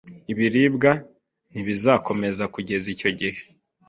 Ibiribwa ntibizakomeza kugeza icyo gihe.